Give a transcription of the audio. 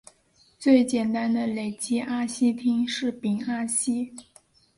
最简单的累积二烯烃是丙二烯。